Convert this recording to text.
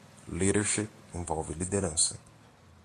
Leadership envolve liderança.